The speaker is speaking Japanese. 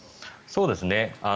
そうですね。